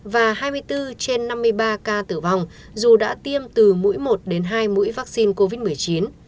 và hai mươi bốn trên năm mươi ba ca tử vong dù đã tiêm từ mũi một đến hai mũi vaccine covid một mươi chín